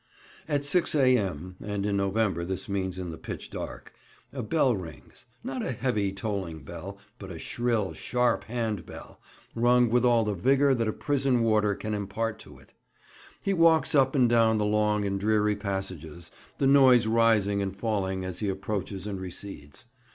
At 6 A.M.—and in November this means in the pitch dark—a bell rings; not a heavy tolling bell, but a shrill, sharp hand bell, wrung with all the vigour that a prison warder can impart to it. He walks up and down the long and dreary passages, the noise rising and falling as he approaches and recedes.